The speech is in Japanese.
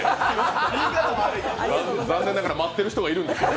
残念ながら待ってる人がいるんです